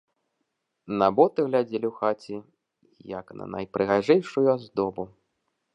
На боты глядзелі ў хаце, як на найпрыгажэйшую аздобу.